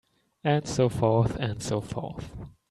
And so forth and so forth.